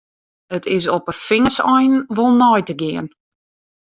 It is op 'e fingerseinen wol nei te gean.